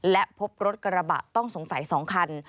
และพบรถกระบะต้องสงสัย๒คัน